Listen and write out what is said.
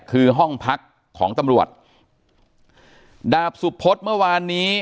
คือห้องพักของตำรวจดาบสุพศเมื่อวานนี้